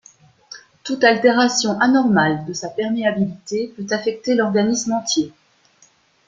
Toute altération anormale de sa perméabilité peut affecter l'organisme entier.